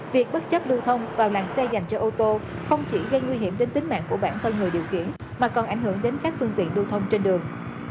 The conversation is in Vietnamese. việc bất chấp lưu thông vào làng xe dành cho ô tô không chỉ gây nguy hiểm đến tính mạng của bản thân người điều khiển mà còn ảnh hưởng đến các phương tiện lưu thông trên đường